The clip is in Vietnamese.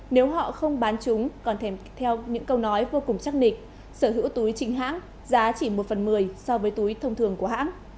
nếu họ không bán chúng còn thèm theo những câu nói vô cùng chắc định sở hữu túi chính hãng giá chỉ một phần mười so với túi thông thường của hãng